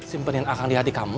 simpenin akang di hati kamu